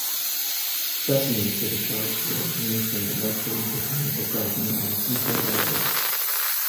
Specimens for the charts were obtained from the Leipzig Botanical Garden and from herbaria.